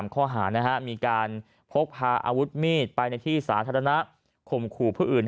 ข้อหามีการพกพาอาวุธมีดไปในที่สาธารณะข่มขู่ผู้อื่น